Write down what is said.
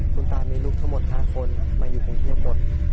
คุณตามีลูกทั้งหมด๕คนมาอยู่กรุงเทพหมด